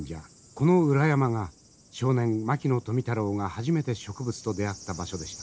この裏山が少年牧野富太郎が初めて植物と出会った場所でした。